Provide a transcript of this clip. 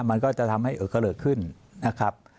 มันก็จะทำให้เออเกลิกขึ้นนะครับ